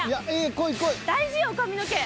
大事よ髪の毛。